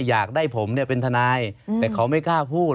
อยากได้ผมเนี่ยเป็นทนายแต่เขาไม่กล้าพูด